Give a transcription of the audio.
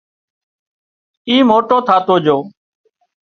اي موٽو ٿاتو جھو